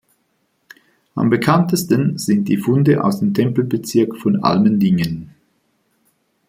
Am bekanntesten sind die Funde aus dem Tempelbezirk von Allmendingen.